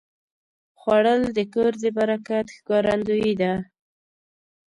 خوړل د کور د برکت ښکارندویي ده